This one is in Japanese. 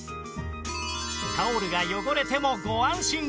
タオルが汚れてもご安心を！